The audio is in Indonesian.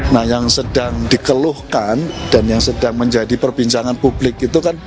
nah yang sedang dikeluhkan dan yang sedang menjadi perbincangan publik itu kan